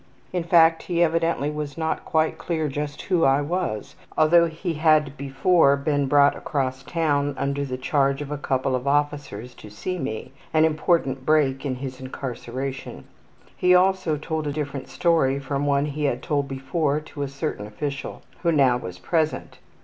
In fact, he evidently was not quite clear just who I was, although he had before been brought across town under the charge of a couple of officers to see me an important break in his incarceration. He also told a different story from one he had told before to a certain official who now was present.